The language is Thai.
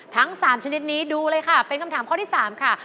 ทั้ง๓ชนิดนี้ดูเลยค่ะเป็นคำถามข้อที่๓ค่ะ